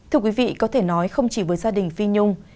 thưa quý vị có thể nói không chỉ với gia đình phi nhung